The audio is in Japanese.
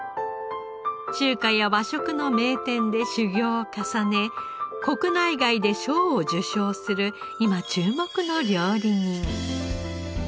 中華や和食の名店で修業を重ね国内外で賞を受賞する今注目の料理人。